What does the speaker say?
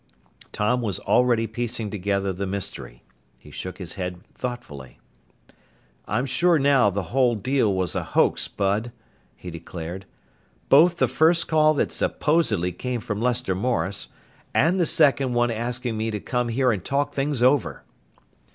Tom was already piecing together the mystery. He shook his head thoughtfully. "I'm sure now the whole deal was a hoax, Bud," he declared. "Both the first call that supposedly came from Lester Morris, and the second one asking me to come here and talk things over."